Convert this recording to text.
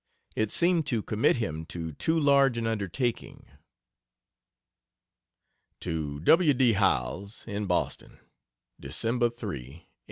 It seemed to commit him to too large an undertaking. To W. D. Howells, in Boston: Dec. 3, 1874.